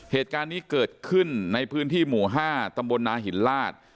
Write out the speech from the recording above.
เหตุการณ์นี้เกิดขึ้นในพื้นที่หมู่๕ตำบลนาหินลาศ